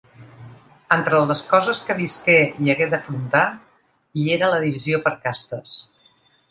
Entre les coses que visqué i hagué d’afrontar, hi era la divisió per castes.